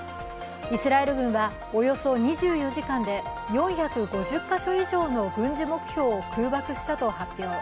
イスラエル軍はおよそ２４時間で４５０か所以上の軍事目標を空爆したと発表。